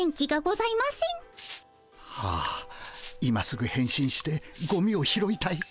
今すぐ変身してゴミを拾いたい。